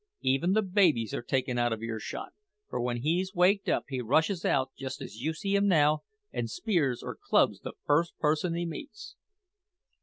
Even the babies are taken out of earshot; for when he's waked up he rushes out, just as you see him now, and spears or clubs the first person he meets."